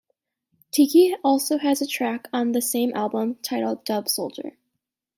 Tiki also has a track on the same album titled Dub Soldier.